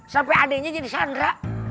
sampai adeknya jadi sandra